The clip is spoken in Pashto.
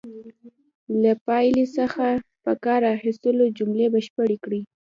له پایلې څخه په کار اخیستلو جملې بشپړې کړئ.